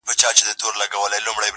د ژوندون ساه او مسيحا وړي څوك,